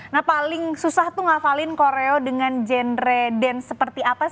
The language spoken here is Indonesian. nah paling susah tuh ngapalin koreo dengan genre dance seperti apa